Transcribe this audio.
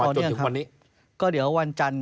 ต่อเนื่องครับก็เดี๋ยววันจันทร์